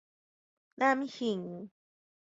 攬胸